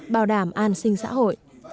bảo đảm an sinh xã hội